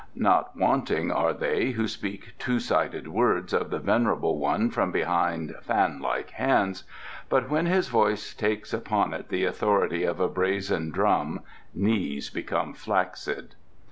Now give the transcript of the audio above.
Not wanting are they who speak two sided words of the Venerable One from behind fan like hands, but when his voice takes upon it the authority of a brazen drum knees become flaccid.